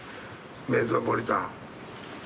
メトロポリタン。